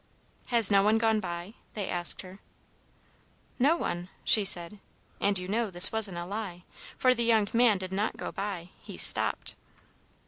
"'Has no one gone by?' they asked her. "'No one,' she said; and you know this wasn't a lie, for the young man did not go by. He stopped!